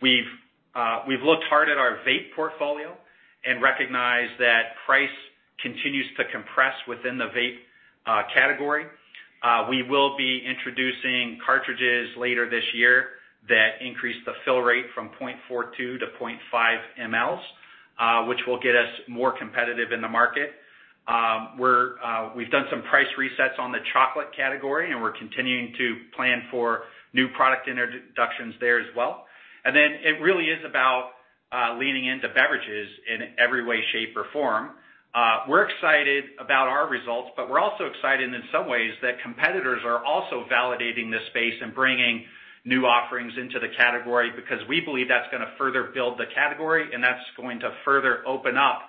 we've looked hard at our vape portfolio and recognized that price continues to compress within the vape category. We will be introducing cartridges later this year that increase the fill rate from 0.42 to 0.5 mL, which will get us more competitive in the market. We've done some price resets on the chocolate category. We're continuing to plan for new product introductions there as well. It really is about leaning into beverages in every way, shape, or form. We're excited about our results, but we're also excited in some ways that competitors are also validating this space and bringing new offerings into the category because we believe that's going to further build the category and that's going to further open up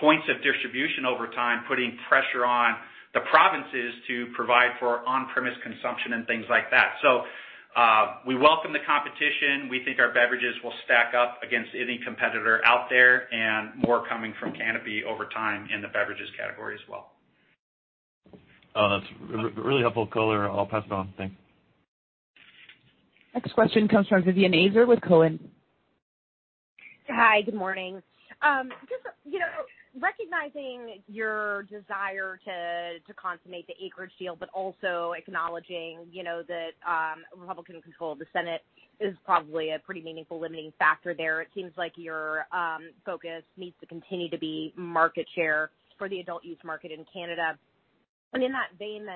points of distribution over time, putting pressure on the provinces to provide for on-premise consumption and things like that. We welcome the competition. We think our beverages will stack up against any competitor out there and more coming from Canopy over time in the beverages category as well. That's really helpful color. I'll pass it on. Thanks. Next question comes from Vivien Azer with Cowen. Hi. Good morning. Just recognizing your desire to consummate the Acreage deal, also acknowledging that Republican control of the Senate is probably a pretty meaningful limiting factor there. It seems like your focus needs to continue to be market share for the adult use market in Canada. In that vein,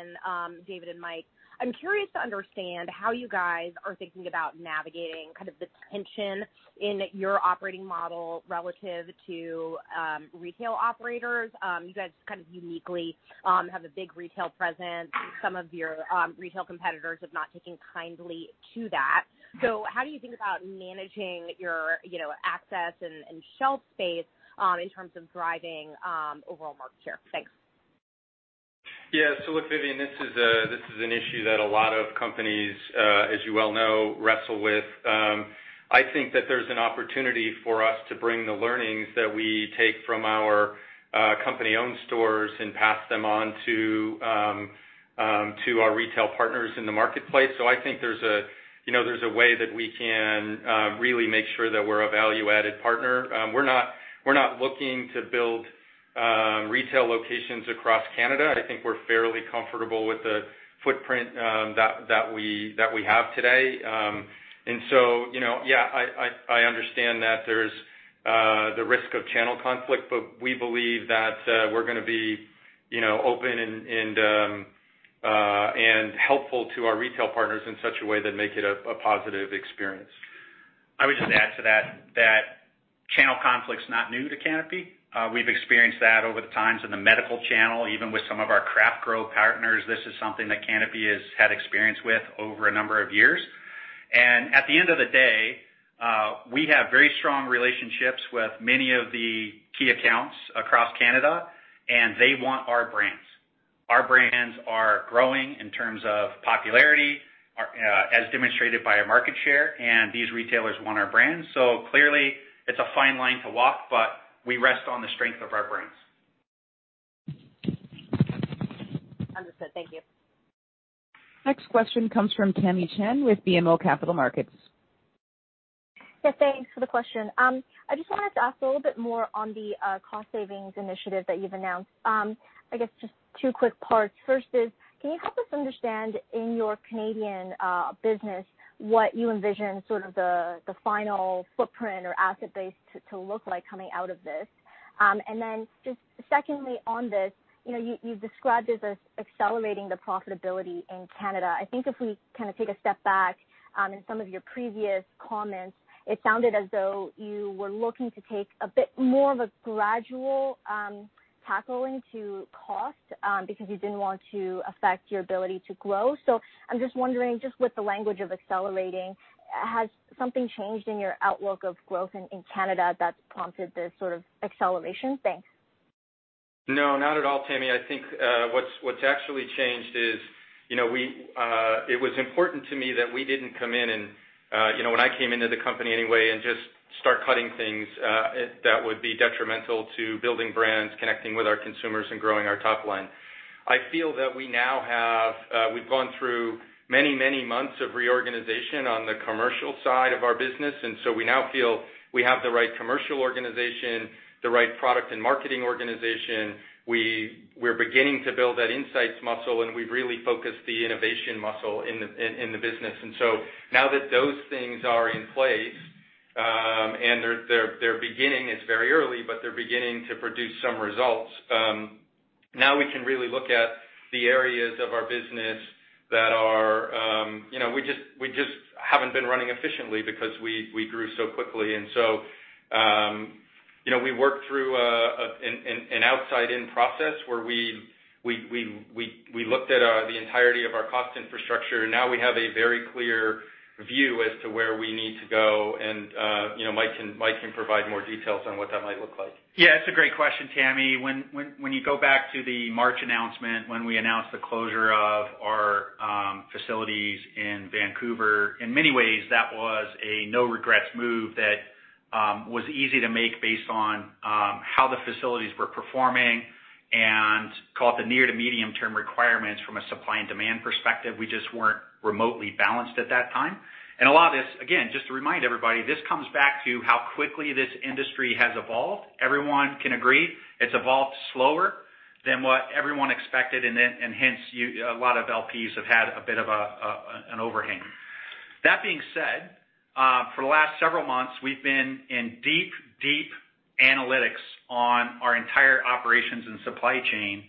David and Mike, I am curious to understand how you guys are thinking about navigating kind of the tension in your operating model relative to retail operators. You guys kind of uniquely have a big retail presence. Some of your retail competitors have not taken kindly to that. How do you think about managing your access and shelf space in terms of driving overall market share? Thanks. Look, Vivien, this is an issue that a lot of companies, as you well know, wrestle with. I think that there's an opportunity for us to bring the learnings that we take from our company-owned stores and pass them on to our retail partners in the marketplace. I think there's a way that we can really make sure that we're a value-added partner. We're not looking to build retail locations across Canada. I think we're fairly comfortable with the footprint that we have today. I understand that there's the risk of channel conflict, but we believe that we're going to be open and helpful to our retail partners in such a way that make it a positive experience. I would just add to that channel conflict's not new to Canopy. We've experienced that over the times in the medical channel, even with some of our craft grow partners. This is something that Canopy has had experience with over a number of years. At the end of the day, we have very strong relationships with many of the key accounts across Canada, and they want our brands. Our brands are growing in terms of popularity as demonstrated by our market share, and these retailers want our brands. Clearly it's a fine line to walk, but we rest on the strength of our brands. Understood. Thank you. Next question comes from Tamy Chen with BMO Capital Markets. Yeah, thanks for the question. I just wanted to ask a little bit more on the cost savings initiative that you've announced. I guess just two quick parts. First is, can you help us understand in your Canadian business what you envision sort of the final footprint or asset base to look like coming out of this? Secondly, on this, you've described this as accelerating the profitability in Canada. I think if we kind of take a step back, in some of your previous comments, it sounded as though you were looking to take a bit more of a gradual tackling to cost, because you didn't want to affect your ability to grow. I'm just wondering, just with the language of accelerating, has something changed in your outlook of growth in Canada that prompted this sort of acceleration? Thanks. No, not at all, Tamy. I think what's actually changed is, it was important to me that we didn't come in and, when I came into the company anyway, and just start cutting things, that would be detrimental to building brands, connecting with our consumers, and growing our top line. I feel that we've gone through many months of reorganization on the commercial side of our business. We now feel we have the right commercial organization, the right product and marketing organization. We're beginning to build that insights muscle, and we've really focused the innovation muscle in the business. Now that those things are in place, and they're beginning, it's very early, but they're beginning to produce some results. Now we can really look at the areas of our business that we just haven't been running efficiently because we grew so quickly. We worked through an outside-in process where we looked at the entirety of our cost infrastructure, and now we have a very clear view as to where we need to go. Mike can provide more details on what that might look like. Yeah, it's a great question, Tamy. When you go back to the March announcement, when we announced the closure of our facilities in Vancouver, in many ways that was a no regrets move that was easy to make based on how the facilities were performing and call it the near to medium-term requirements from a supply and demand perspective. We just weren't remotely balanced at that time. A lot of this, again, just to remind everybody, this comes back to how quickly this industry has evolved. Everyone can agree it's evolved slower than what everyone expected, and hence, a lot of LPs have had a bit of an overhang. That being said, for the last several months, we've been in deep analytics on our entire operations and supply chain,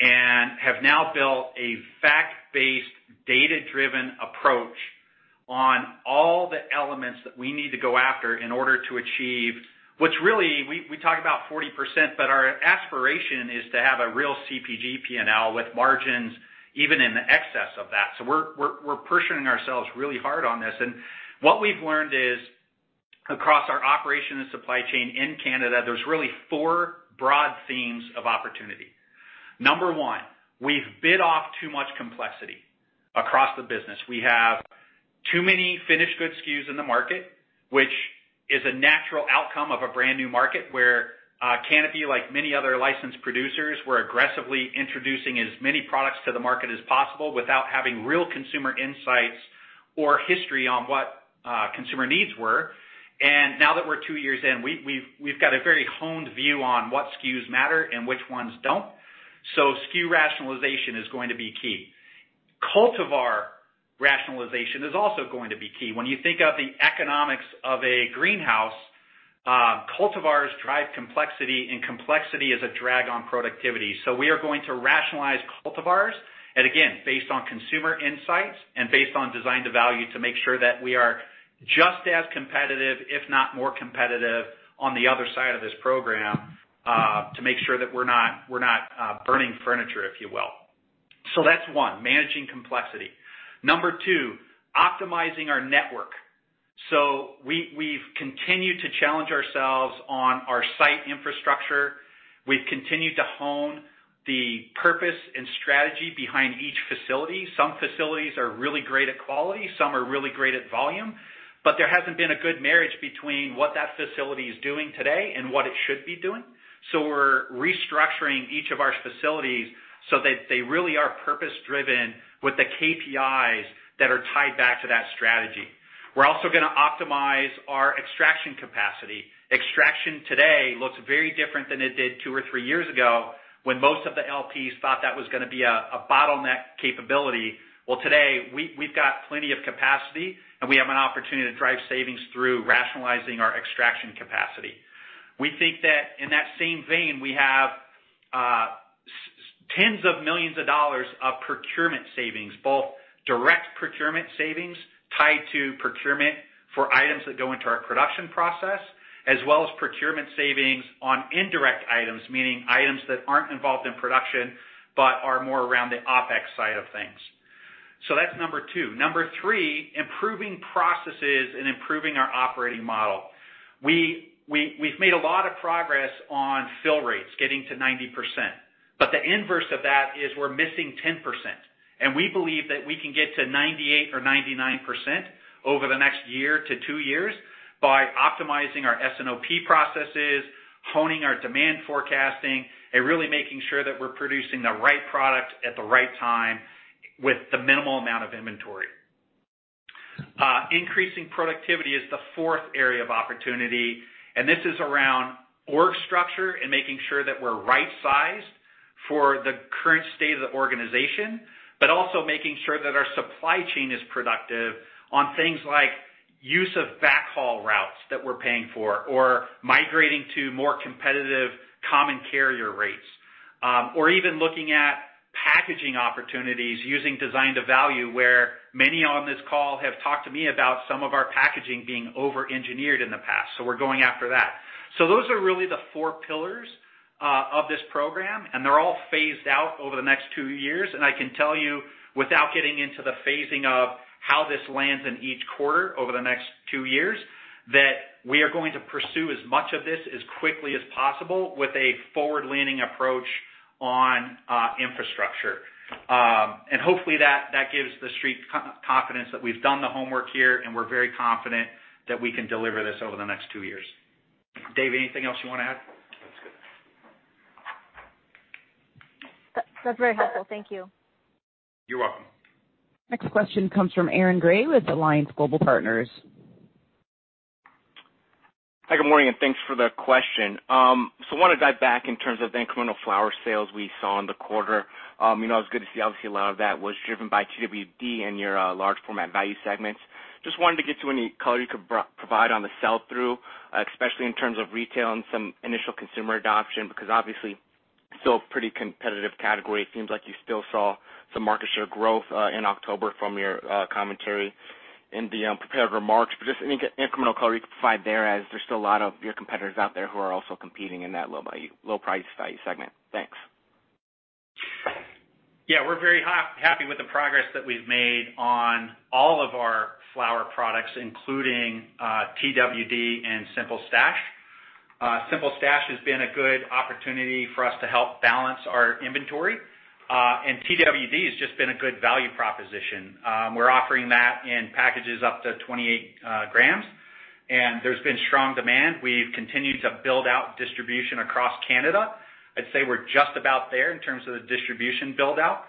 and have now built a fact-based, data-driven approach on all the elements that we need to go after in order to achieve what's really, we talk about 40%, but our aspiration is to have a real CPG P&L with margins even in excess of that. We're pushing ourselves really hard on this. What we've learned is across our operation and supply chain in Canada, there's really four broad themes of opportunity. Number one, we've bit off too much complexity across the business. We have too many finished good SKUs in the market, which is a natural outcome of a brand new market where Canopy, like many other licensed producers, were aggressively introducing as many products to the market as possible without having real consumer insights or history on what consumer needs were. Now that we're two years in, we've got a very honed view on what SKUs matter and which ones don't. SKU rationalization is going to be key. Cultivar rationalization is also going to be key. When you think of the economics of a greenhouse, cultivars drive complexity, and complexity is a drag on productivity. We are going to rationalize cultivars, and again, based on consumer insights and based on design to value, to make sure that we are just as competitive, if not more competitive on the other side of this program, to make sure that we're not burning furniture, if you will. That's one, managing complexity. Number two, optimizing our network. We've continued to challenge ourselves on our site infrastructure. We've continued to hone the purpose and strategy behind each facility. Some facilities are really great at quality, some are really great at volume, but there hasn't been a good marriage between what that facility is doing today and what it should be doing. We're restructuring each of our facilities so that they really are purpose-driven with the KPIs that are tied back to that strategy. We're also going to optimize our extraction capacity. Extraction today looks very different than it did two or three years ago when most of the LPs thought that was going to be a bottleneck capability. Well, today, we've got plenty of capacity, and we have an opportunity to drive savings through rationalizing our extraction capacity. We think that in that same vein, we have tens of millions of CAD of procurement savings, both direct procurement savings tied to procurement for items that go into our production process, as well as procurement savings on indirect items, meaning items that aren't involved in production but are more around the OPEX side of things. That's number two. Number three, improving processes and improving our operating model. We've made a lot of progress on fill rates getting to 90%, but the inverse of that is we're missing 10%, and we believe that we can get to 98% or 99% over the next year to two years by optimizing our S&OP processes, honing our demand forecasting, and really making sure that we're producing the right product at the right time with the minimal amount of inventory. Increasing productivity is the fourth area of opportunity, and this is around org structure and making sure that we're right-sized for the current state of the organization, but also making sure that our supply chain is productive on things like use of backhaul routes that we're paying for or migrating to more competitive common carrier rates. Even looking at packaging opportunities using design to value, where many on this call have talked to me about some of our packaging being over-engineered in the past, so we're going after that. Those are really the four pillars of this program, and they're all phased out over the next two years. I can tell you, without getting into the phasing of how this lands in each quarter over the next two years, that we are going to pursue as much of this as quickly as possible with a forward-leaning approach on infrastructure. Hopefully that gives the street confidence that we've done the homework here, and we're very confident that we can deliver this over the next two years. Dave, anything else you want to add? That's good. That's very helpful. Thank you. You're welcome. Next question comes from Aaron Grey with Alliance Global Partners. Hi, good morning, and thanks for the question. Want to dive back in terms of the incremental flower sales we saw in the quarter. It was good to see, obviously, a lot of that was driven by Twd. and your large format value segments. Just wanted to get to any color you could provide on the sell-through, especially in terms of retail and some initial consumer adoption, because obviously still a pretty competitive category. It seems like you still saw some market share growth in October from your commentary in the prepared remarks. Just any incremental color you could provide there as there's still a lot of your competitors out there who are also competing in that low price value segment. Thanks. Yeah, we're very happy with the progress that we've made on all of our flower products, including Twd. and Simple Stash. Simple Stash has been a good opportunity for us to help balance our inventory. Twd. has just been a good value proposition. We're offering that in packages up to 28 grams, and there's been strong demand. We've continued to build out distribution across Canada. I'd say we're just about there in terms of the distribution build-out.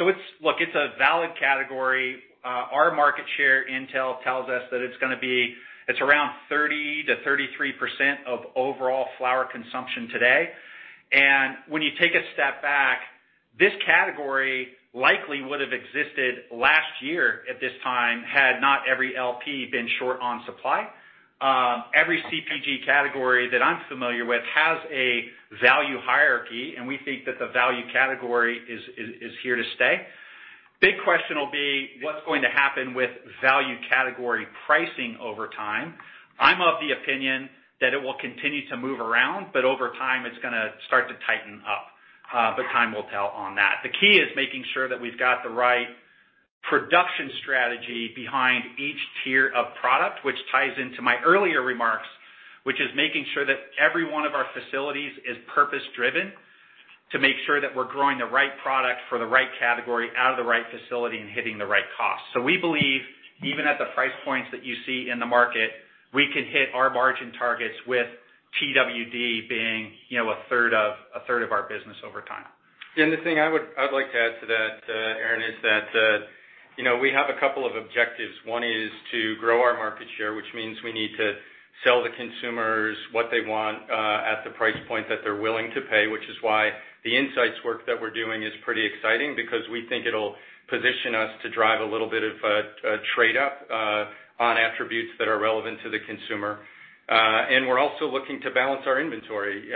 Look, it's a valid category. Our market share intel tells us that it's around 30%-33% of overall flower consumption today. When you take a step back, this category likely would have existed last year at this time had not every LP been short on supply. Every CPG category that I'm familiar with has a value hierarchy, and we think that the value category is here to stay. Big question will be what's going to happen with value category pricing over time. I'm of the opinion that it will continue to move around, but over time it's going to start to tighten up. Time will tell on that. The key is making sure that we've got the right production strategy behind each tier of product, which ties into my earlier remarks, which is making sure that every one of our facilities is purpose-driven to make sure that we're growing the right product for the right category out of the right facility and hitting the right cost. We believe even at the price points that you see in the market, we can hit our margin targets with Twd. being a third of our business over time. The thing I would like to add to that, Aaron, is that we have a couple of objectives. One is to grow our market share, which means we need to sell the consumers what they want at the price point that they're willing to pay, which is why the insights work that we're doing is pretty exciting because we think it'll position us to drive a little bit of a trade-up on attributes that are relevant to the consumer. We're also looking to balance our inventory.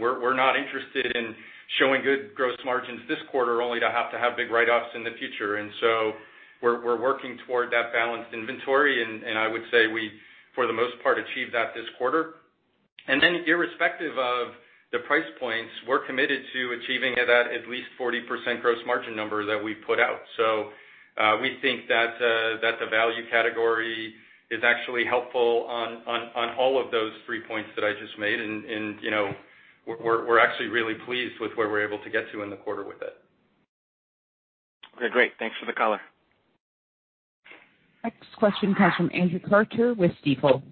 We're not interested in showing good gross margins this quarter, only to have big write-offs in the future. We're working toward that balanced inventory, and I would say we, for the most part, achieved that this quarter. Irrespective of the price points, we're committed to achieving that at least 40% gross margin number that we put out. We think that the value category is actually helpful on all of those three points that I just made. We're actually really pleased with where we're able to get to in the quarter with it. Okay, great. Thanks for the color. Next question comes from Andrew Carter with Stifel.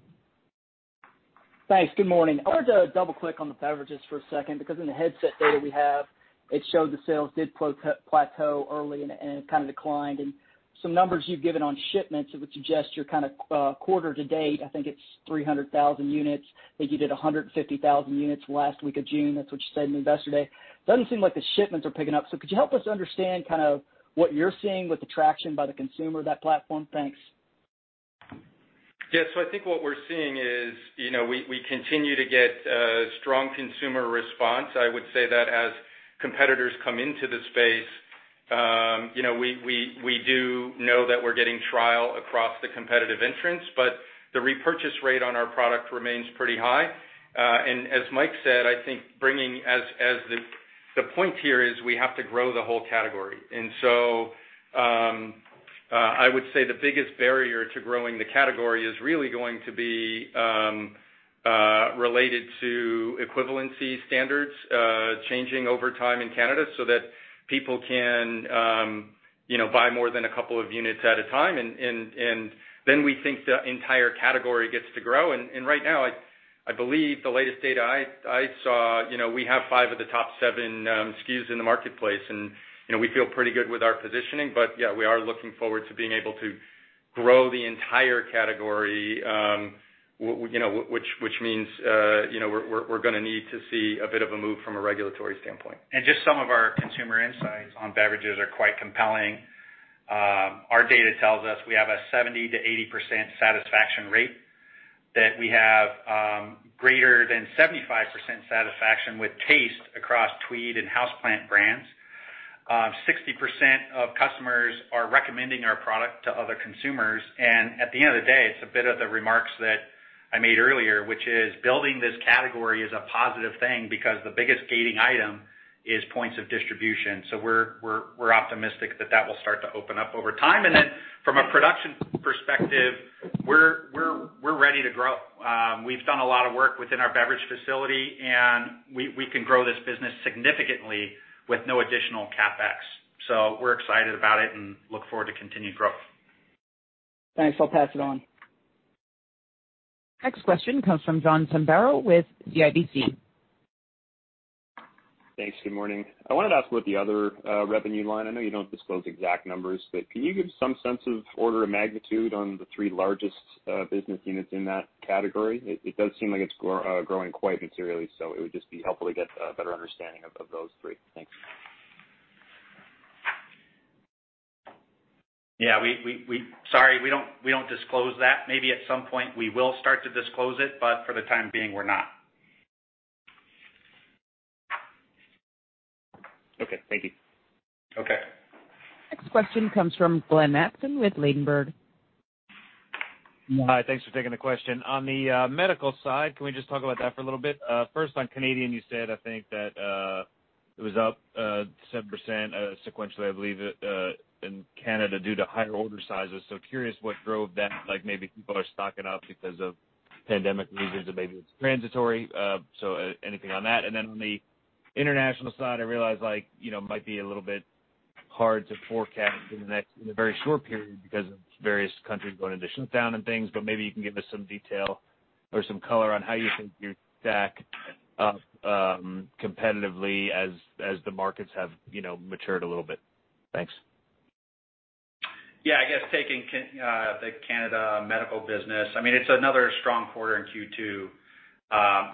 Thanks. Good morning. I wanted to double-click on the beverages for a second because in the Headset data we have, it showed the sales did plateau early and it kind of declined. Some numbers you've given on shipments, it would suggest you're kind of quarter to date, I think it's 300,000 units. I think you did 150,000 units last week of June. That's what you said in Investor Day. Doesn't seem like the shipments are picking up. Could you help us understand what you're seeing with the traction by the consumer of that platform? Thanks. Yeah. I think what we're seeing is we continue to get strong consumer response. I would say that as competitors come into the space, we do know that we're getting trial across the competitive entrants, but the repurchase rate on our product remains pretty high. As Mike said, I think the point here is we have to grow the whole category. I would say the biggest barrier to growing the category is really going to be related to equivalency standards changing over time in Canada so that people can buy more than a couple of units at a time. We think the entire category gets to grow. Right now, I believe the latest data I saw, we have five of the top seven SKUs in the marketplace, and we feel pretty good with our positioning. Yeah, we are looking forward to being able to grow the entire category, which means we're going to need to see a bit of a move from a regulatory standpoint. Just some of our consumer insights on beverages are quite compelling. Our data tells us we have a 70%-80% satisfaction rate, that we have greater than 75% satisfaction with taste across Tweed and Houseplant brands. 60% of customers are recommending our product to other consumers. At the end of the day, it's a bit of the remarks that I made earlier, which is building this category is a positive thing because the biggest gating item is points of distribution. We're optimistic that that will start to open up over time. From a production perspective, we're ready to grow. We've done a lot of work within our beverage facility, and we can grow this business significantly with no additional CapEx. We're excited about it and look forward to continued growth. Thanks. I'll pass it on. Next question comes from John Zamparo with CIBC. Thanks. Good morning. I wanted to ask about the other revenue line. I know you don't disclose exact numbers, but can you give some sense of order of magnitude on the three largest business units in that category? It does seem like it's growing quite materially, so it would just be helpful to get a better understanding of those three. Thanks. Yeah. Sorry, we don't disclose that. Maybe at some point we will start to disclose it, but for the time being, we're not. Okay. Thank you. Okay. Next question comes from Glenn Mattson with Ladenburg. Hi. Thanks for taking the question. On the medical side, can we just talk about that for a little bit? First, on Canadian, you said, I think, that it was up 7% sequentially, I believe, in Canada due to higher order sizes. Curious what drove that. Maybe people are stocking up because of pandemic reasons or maybe it's transitory. Anything on that. Then on the international side, I realize it might be a little bit hard to forecast in the very short period because of various countries going into shutdown and things, but maybe you can give us some detail or some color on how you think you stack up competitively as the markets have matured a little bit. Thanks. Yeah, I guess taking the Canada medical business, it's another strong quarter in Q2,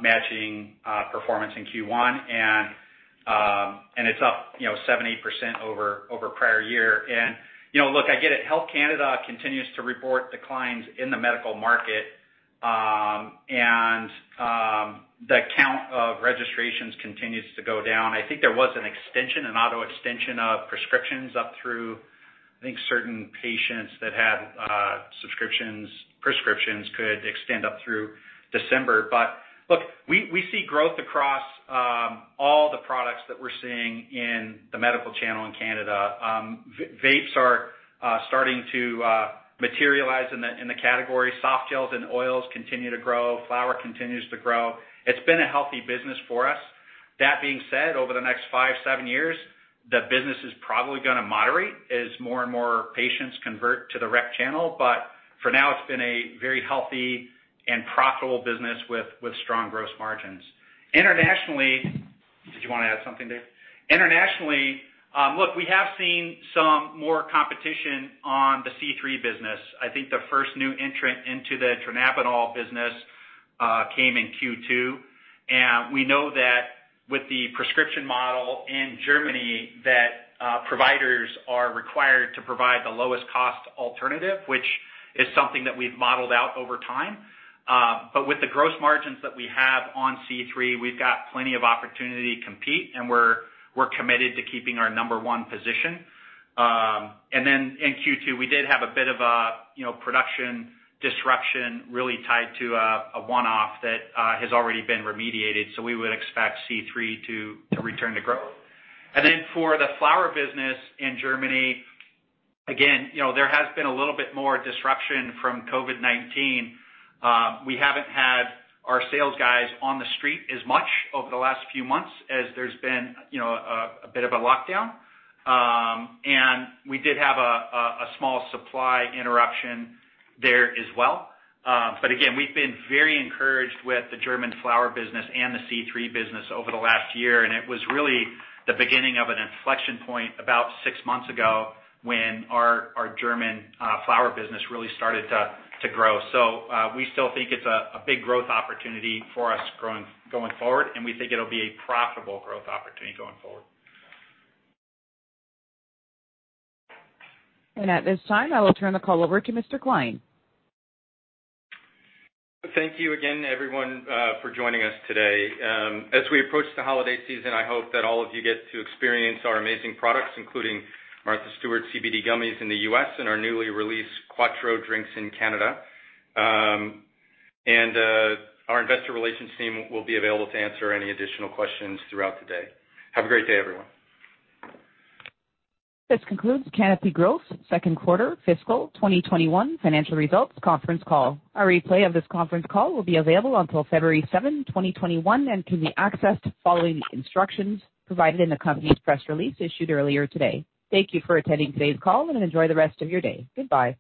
matching performance in Q1. It's up 78% over prior year. Look, I get it. Health Canada continues to report declines in the medical market. The count of registrations continues to go down. I think there was an auto extension of prescriptions up through, I think, certain patients that had prescriptions could extend up through December. Look, we see growth across all the products that we're seeing in the medical channel in Canada. Vapes are starting to materialize in the category. Soft gels and oils continue to grow. Flower continues to grow. It's been a healthy business for us. That being said, over the next five, seven years, the business is probably going to moderate as more and more patients convert to the rec channel. For now, it's been a very healthy and profitable business with strong gross margins. Internationally, did you want to add something, Dave? Internationally, look, we have seen some more competition on the C³ business. I think the first new entrant into the dronabinol business came in Q2. We know that with the prescription model in Germany, that providers are required to provide the lowest cost alternative, which is something that we've modeled out over time. With the gross margins that we have on C³, we've got plenty of opportunity to compete, and we're committed to keeping our number one position. In Q2, we did have a bit of a production disruption really tied to a one-off that has already been remediated, so we would expect C³ to return to growth. Then for the flower business in Germany, again, there has been a little bit more disruption from COVID-19. We haven't had our sales guys on the street as much over the last few months as there's been a bit of a lockdown. We did have a small supply interruption there as well. Again, we've been very encouraged with the German flower business and the C³ business over the last year, and it was really the beginning of an inflection point about six months ago when our German flower business really started to grow. We still think it's a big growth opportunity for us going forward, and we think it'll be a profitable growth opportunity going forward. At this time, I will turn the call over to Mr. Klein. Thank you again, everyone, for joining us today. As we approach the holiday season, I hope that all of you get to experience our amazing products, including Martha Stewart CBD gummies in the U.S. and our newly released Quatreau drinks in Canada. Our investor relations team will be available to answer any additional questions throughout the day. Have a great day, everyone. This concludes Canopy Growth's second quarter fiscal 2021 financial results conference call. A replay of this conference call will be available until February 7, 2021, and can be accessed following the instructions provided in the company's press release issued earlier today. Thank you for attending today's call, and enjoy the rest of your day. Goodbye.